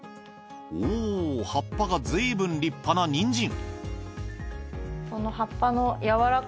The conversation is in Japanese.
おぉ葉っぱがずいぶん立派なにんじん。